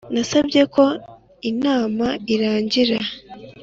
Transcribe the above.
nasabye ko inama irangira.